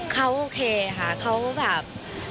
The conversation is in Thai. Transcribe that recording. เขาโอเคค่ะเขาแบบ